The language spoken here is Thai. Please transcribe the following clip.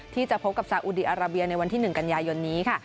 ที่จะพบกับสาอุดีอาราเบียในวันที่๑กันยายนนี้ค่ะ